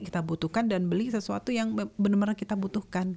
kita butuhkan dan beli sesuatu yang benar benar kita butuhkan